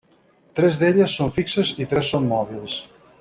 Tres d'elles són fixes i tres són mòbils.